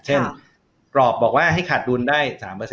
เช่นกรอบบอกว่าให้ขาดรุนได้๓๕